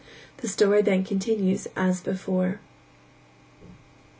The story then continues as before.